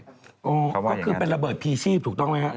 เขาว่าอย่างนั้นนะครับก็คือเป็นระเบิดพีชีพถูกต้องไหมครับ